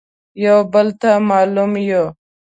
يو بل ته مالوم يو.